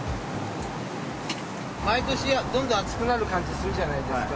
毎年どんどん暑くなる感じするじゃないですか。